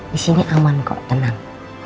di sini aman kok tenang